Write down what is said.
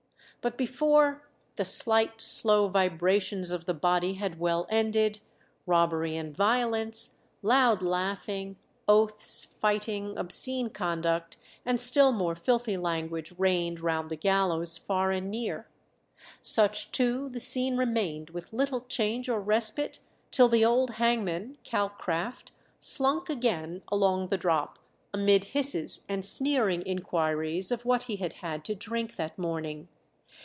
But before "the slight slow vibrations of the body had well ended, robbery and violence, loud laughing, oaths, fighting, obscene conduct, and still more filthy language reigned round the gallows far and near. Such too the scene remained with little change or respite till the old hangman (Calcraft) slunk again along the drop, amid hisses and sneering inquiries of what he had had to drink that morning.